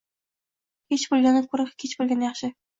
Hech boʼlgandan kech boʼlgani yaxshi axir